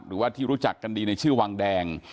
หรือว่าที่รู้จักกันดีในชื่อวังแดง